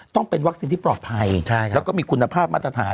ต้องเป็นวัคซีนที่ปลอดภัยแล้วก็มีคุณภาพมาตรฐาน